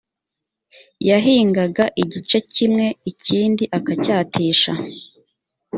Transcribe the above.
yahingaga igice kimwe ikindi akacyatisha